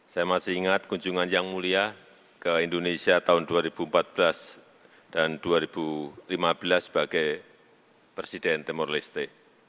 saya masih ingat kunjungan yang mulia ke indonesia tahun dua ribu empat belas dan dua ribu lima belas sebagai presiden timur leste